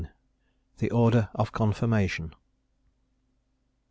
THE ORDER OF CONFIRMATION.